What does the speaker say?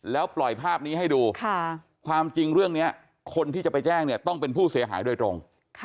แล้วปล่อยภาพนี้ให้ดูความจริงเรื่องนี้คนที่จะไปแจ้งเนี่ยต้องเป็นผู้เสียหายโดยตรง